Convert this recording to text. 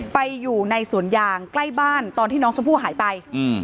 ไปอยู่ในสวนยางใกล้บ้านตอนที่น้องชมพู่หายไป